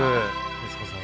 徹子さん。